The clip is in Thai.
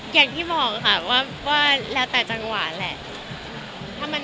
อย่างที่บอกค่ะว่าแล้วแต่จังหวะแหละ